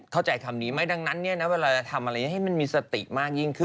เข้าใจคำนี้ไหมดังนั้นเวลาทำอะไรอย่างนี้ให้มันมีสติมากยิ่งขึ้น